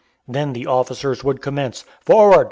Then the officers would commence: "Forward!